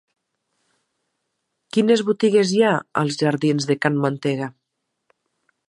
Quines botigues hi ha als jardins de Can Mantega?